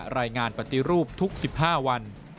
รายงานปฏิรูปทุก๑๕วัน